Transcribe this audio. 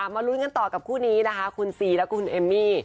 มาลุ้นกันต่อกับคู่นี้นะคะคุณซีและคุณเอมมี่